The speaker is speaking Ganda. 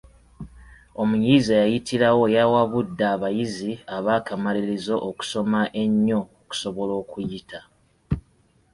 Omuyizi eyayitirawo yawabudde abayizi ab'akamalirizo okusoma ennyo okusobola okuyita.